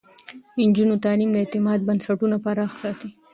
د نجونو تعليم د اعتماد بنسټونه پراخ ساتي.